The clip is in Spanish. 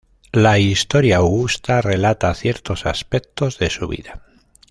La "Historia Augusta" relata ciertos aspectos de su vida.